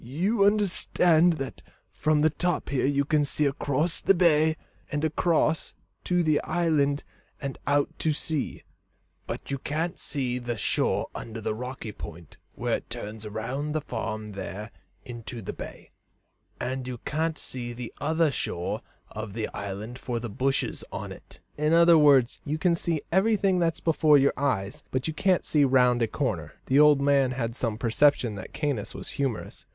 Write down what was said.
"You understand that from the top here you can see across the bay, and across to the island and out to sea; but you can't see the shore under the rocky point where it turns round the farm there into the bay, and you can't see the other shore of the island for the bushes on it." "In other words, you can see everything that's before your eyes, but you can't see round a corner." The old man had some perception that Caius was humorous.